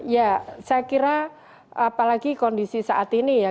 ya saya kira apalagi kondisi saat ini ya